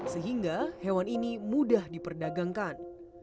sehingga hewan ini mudah diperdagangkan